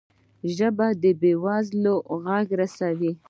ژبه د بې وزله غږ رسوي